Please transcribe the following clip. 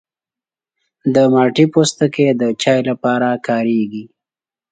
د مالټې پوستکی د چای لپاره کارېږي.